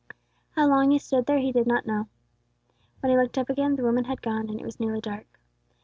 How long he stood there, he did not know. When he looked up again, the women had gone, and it was nearly dark.